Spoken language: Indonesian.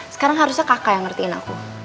sekarang harusnya kakak yang ngertiin aku